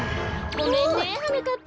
ごめんねはなかっぱ。